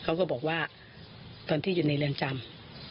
เขาก็บอกว่าตอนที่อยู่ในเรือนจำ